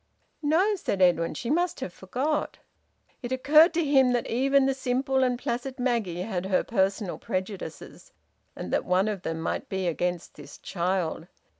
"No," said Edwin. "She must have forgot." It occurred to him that even the simple and placid Maggie had her personal prejudices, and that one of them might be against this child.